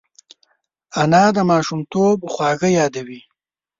انا د ماشومتوب خواږه یادوي